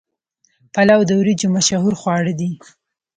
پلاو د وریجو مشهور خواړه دي.